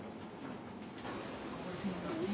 すいません。